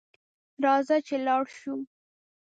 راځه چې لاړشوو